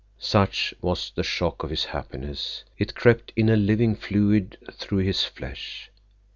Such was the shock of his happiness. It crept in a living fluid through his flesh.